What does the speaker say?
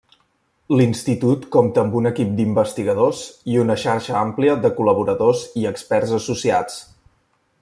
L'Institut compta amb un equip d'investigadors i una xarxa àmplia de col·laboradors i experts associats.